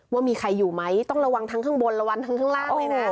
ว่ามีใครอยู่ไหมต้องระวังทั้งข้างบนระวังทั้งข้างล่างเลยนะ